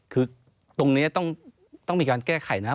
คือตรงนี้ต้องมีการแก้ไขนะครับ